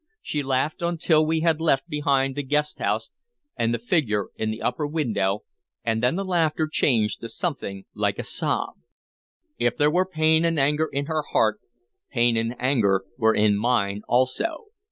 She laughed until we had left behind the guest house and the figure in the upper window, and then the laughter changed to something like a sob. If there were pain and anger in her heart, pain and anger were in mine also.